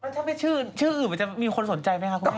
ถ้าเป็นชื่ออื่นมีคนสนใจไหมครับ